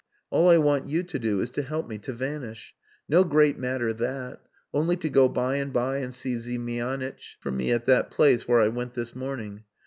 All I want you to do is to help me to vanish. No great matter that. Only to go by and by and see Ziemianitch for me at that place where I went this morning.